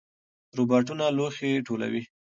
روباټونه لوښي ټولوي.